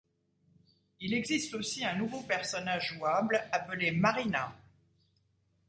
Il existe aussi un nouveau personnage jouable appelé Marina.